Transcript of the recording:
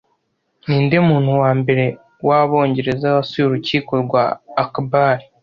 Ninde muntu wa mbere w’Abongereza wasuye urukiko rwa Akbar